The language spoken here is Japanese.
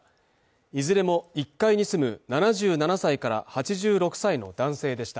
いずれも１階に住む７７歳から８６歳の男性でした。